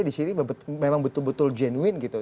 disini memang betul betul genuin gitu